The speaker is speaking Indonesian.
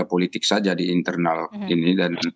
ada politik saja di internal ini